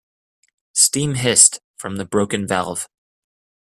Steam hissed from the broken valve.